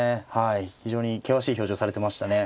非常に険しい表情されてましたね。